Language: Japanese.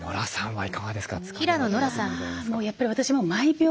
はい。